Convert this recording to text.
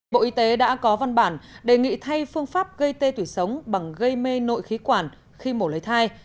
bộ y tế đã có văn bản đề nghị thay phương pháp gây tê tủ sống bằng gây mê nội khí quản khi mổ lấy thai